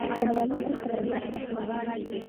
د ملالۍ اتلولي وستایه.